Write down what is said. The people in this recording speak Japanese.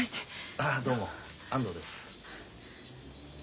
ああどうも安藤です。